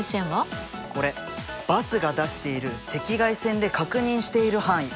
これバスが出している赤外線で確認している範囲。